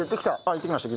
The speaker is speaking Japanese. いってきました。